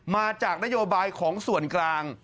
มาจากนโยบายของส่วนกลาง